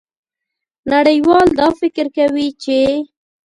نړیوال دا فکر کوي چې